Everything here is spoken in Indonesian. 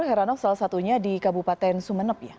herano salah satunya di kabupaten sumeneb ya